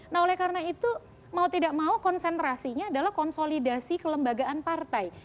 nah oleh karena itu mau tidak mau konsentrasinya adalah konsolidasi kelembagaan partai